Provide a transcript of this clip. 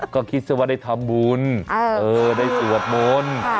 ก็คิดซะว่าได้ทำบุญได้สวดมนต์